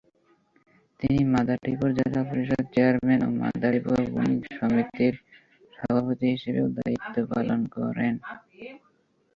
তিনি মাদারীপুর জেলা পরিষদ চেয়ারম্যান ও মাদারীপুর বণিক সমিতির সভাপতি হিসেবেও দায়িত্ব পালন করেন।